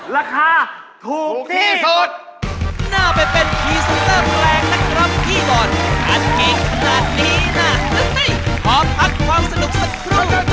ราคาถูกที่สุด